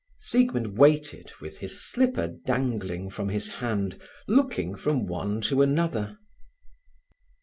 Siegmund waited, with his slipper dangling from his hand, looking from one to another.